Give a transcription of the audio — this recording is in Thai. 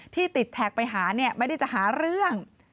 ที่ติดแท็กไปหาเนี่ยไม่ได้จะหาเรื่อง